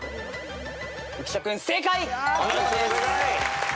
浮所君正解。